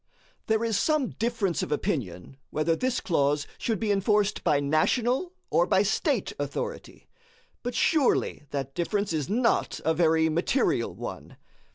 There is some difference of opinion whether this clause should be enforced by national or by State authority; but surely that difference is not a very material one.